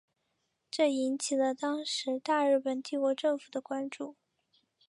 这引起了当时大日本帝国政府的关注。